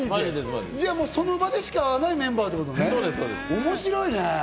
その場でしか会えないメンバーってことね、面白いね。